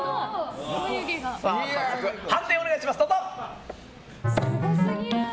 判定お願いします！